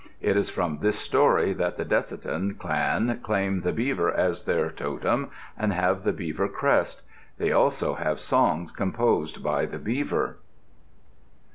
It is from this story that the Decitan clan claim the beaver as their totem and have the beaver crest. They also have songs composed by the beaver.